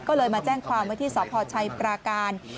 ก็เลยมาแจ้งความว่าที่สมพอร์ตชัยปราการ